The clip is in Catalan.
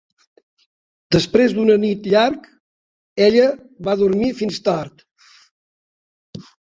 Després d'una nit llarg, ella va dormir fins tard.